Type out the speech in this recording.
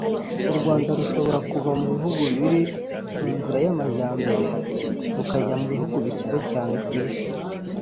u Rwanda rushobora kuva mu bihugu biri mu nzira y'amajyambere rukajya mu bihugu bikize cyane ku isi